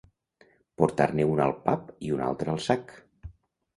Portar-ne una al pap i una altra al sac.